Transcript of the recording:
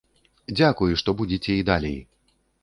Дзякуй, што будзеце і далей!